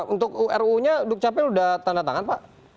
untuk ruu nya dukcapil sudah tanda tangan pak